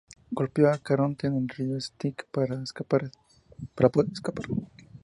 Golpeó a Caronte en el rió Styx para poder escapar.